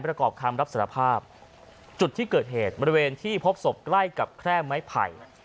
ประกอบคำรับสารภาพจุดที่เกิดเหตุบริเวณที่พบศพใกล้กับแคร่ไม้ไผ่